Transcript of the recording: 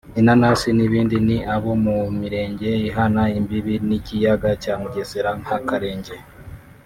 inanasi n’ibindi ni abo mu mirenge ihana imbibi n’ikiyaga cya Mugesera nka Karenge